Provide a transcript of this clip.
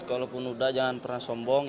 kalaupun udah jangan pernah sombong